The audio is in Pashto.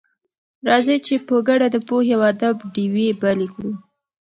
راځئ چې په ګډه د پوهې او ادب ډېوې بلې کړو.